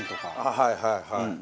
はいはいはい。